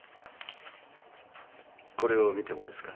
これを見てもですか？